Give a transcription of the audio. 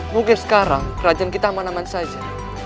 mungkin sekarang kerajaan kita aman aman saja